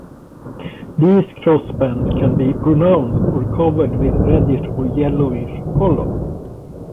These crossbands can be pronounced or covered with reddish or yellowish color.